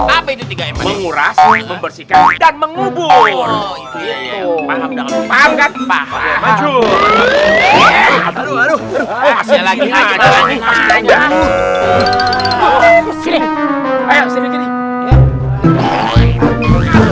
apa itu tiga menguras membersihkan dan mengubur itu paham paham kan paham paham